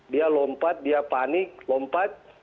dia lompat dia panik lompat